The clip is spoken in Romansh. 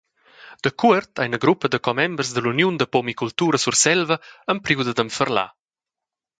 Dacuort ha ina gruppa da commembers dalla Uniun da pumicultura Surselva empriu dad enferlar.